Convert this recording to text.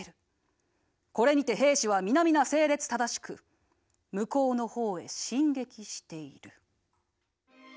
これにて兵士は皆々整列正しく向こうの方へ進撃している」。